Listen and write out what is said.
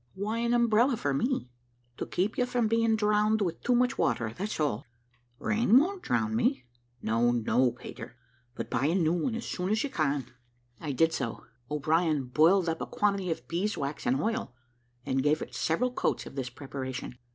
"Why an umbrella for me?" "To keep you from being drowned with too much water, that's all." "Rain won't drown me." "No, no, Peter; but buy a new one as soon as you can." I did so. O'Brien boiled up a quantity of bees' wax and oil, and gave it several coats of this preparation.